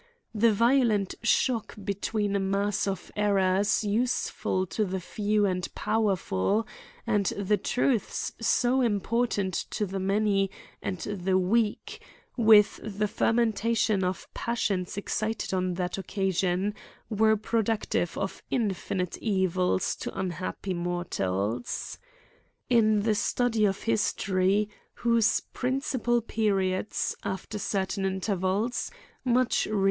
The violent shock between a mass of errors useful to the few and powerful, and the truths so important to the many and the weak, with the fermentation of passions excited on that occasion, were productive of infinite evi^s to un happy mortals. In the study of history, whose principal periods, after certain intervals, much re.